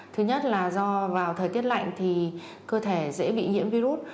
thứ nhất là do vào thời tiết lạnh thì cơ thể dễ bị nhiễm virus